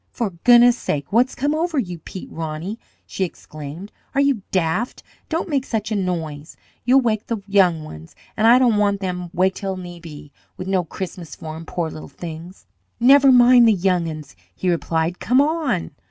"For goodness sake, what's come over you, Peter Roney?" she exclaimed. "Are you daft? Don't make such a noise! You'll wake the young ones, and I don't want them waked till need be, with no Christmas for 'em, poor little things!" "Never mind the young 'uns," he replied. "Come on!"